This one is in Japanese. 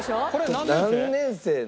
何年生の？